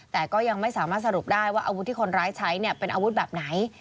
แต่ก็ยังไม่สามารถสรุปได้ว่าอาวุธที่คนร้ายใช้เป็นอาวุธแบบไหน